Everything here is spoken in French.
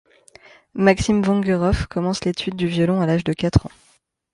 Maxime Vengerov commence l'étude du violon à l'âge de quatre ans.